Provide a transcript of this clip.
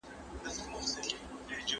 د الله تعالی رحمت خورا پراخ دی.